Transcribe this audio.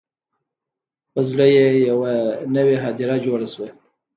په زړه یې یوه نوي هدیره جوړه شوه